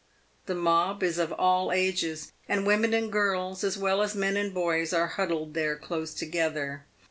The mob is of all ages, and women and girls as well as men and boys are huddled there close together.